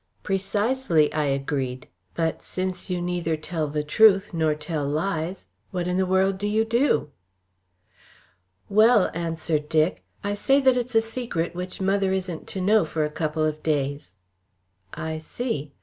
"Precisely," I agreed. "But since you neither tell the truth nor tell lies, what in the world do you do?" "Well," answered Dick, "I say that it's a secret which mother isn't to know for a couple of days." "I see.